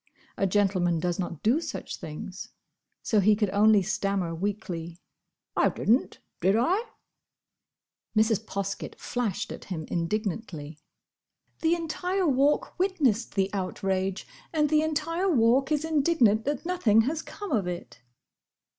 A gentleman does not do such things. So he could only stammer weakly, "I didn't, did I?" Mrs. Poskett flashed at him indignantly. "The entire Walk witnessed the outrage, and the entire Walk is indignant that nothing has come of it."